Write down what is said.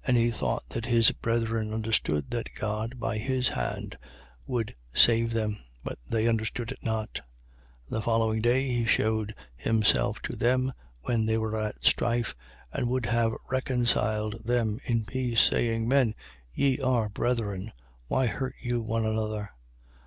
7:25. And he thought that his brethren understood that God by his hand would save them. But they understood it not. 7:26. And the day following, he shewed himself to them when they were at strife and would have reconciled them in peace, saying: Men, ye are brethren. Why hurt you one another?